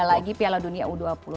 lagi piala dunia u dua puluh